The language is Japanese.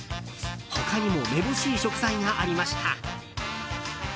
他にもめぼしい食材がありました。